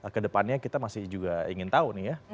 kedepannya kita masih juga ingin tahu nih ya